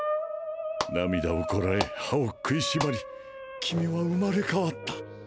涙をこらえ歯を食いしばり君は生まれ変わった。